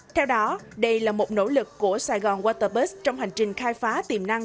theo đó đây là một nỗ lực của sài gòn waterbus trong hành trình khai phá tiềm năng